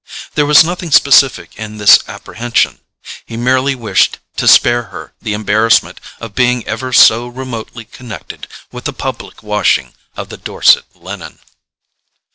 There was nothing specific in this apprehension; he merely wished to spare her the embarrassment of being ever so remotely connected with the public washing of the Dorset linen.